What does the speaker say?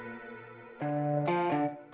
aku mau ke rumah